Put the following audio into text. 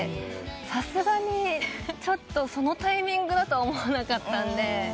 さすがにちょっとそのタイミングだと思わなかったんで。